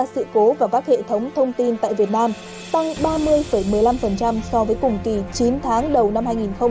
tự cố vào các hệ thống thông tin tại việt nam tăng ba mươi một mươi năm so với cùng kỳ chín tháng đầu năm hai nghìn hai mươi